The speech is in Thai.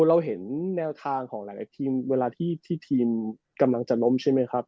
เราเห็นแนวทางของหลายทีมเวลาที่ทีมกำลังจะล้มใช่ไหมครับ